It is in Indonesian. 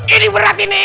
ini berat ini